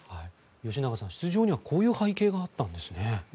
吉永さん、出場にはこういう背景があったんですね。